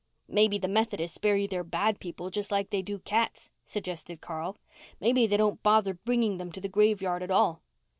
"Maybe the Methodists bury their bad people just like they do cats," suggested Carl. "Maybe they don't bother bringing them to the graveyard at all."